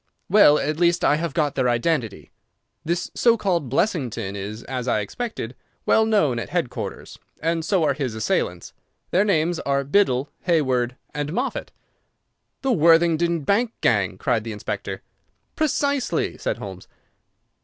"Well, at least I have got their identity. This so called Blessington is, as I expected, well known at headquarters, and so are his assailants. Their names are Biddle, Hayward, and Moffat." "The Worthingdon bank gang," cried the inspector. "Precisely," said Holmes.